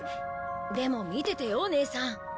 でも見ててよ姉さん。